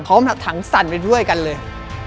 พร้อมถังสั่นไปด้วยกันเลย